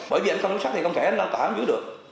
bởi vì anh không xuất sắc thì không thể anh lo tỏa dưới được